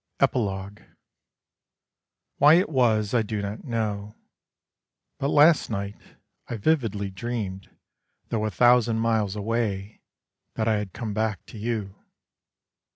EPILOGUE Why it was I do not know, But last night I vividly dreamed Though a thousand miles away, That I had come back to you.